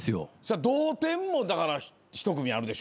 同点も１組あるでしょ。